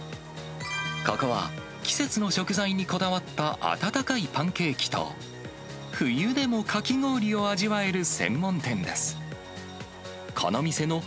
ここは、季節の食材にこだわった温かいパンケーキと、冬でもかき氷を味わえる専門店です。